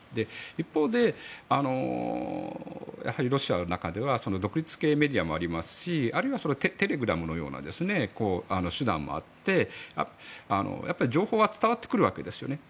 一方で、やはりロシアの中では独立系メディアもありますしあるいは、テレグラムのような手段もあって情報は伝わってくるわけですよね。